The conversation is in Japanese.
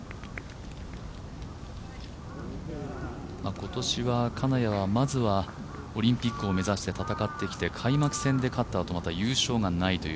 今年は金谷はまずはオリンピックを目指して戦ってきて開幕戦で勝ったあと、優勝がないという。